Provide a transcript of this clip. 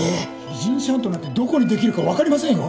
脾腎シャントなんてどこに出来るかわかりませんよ。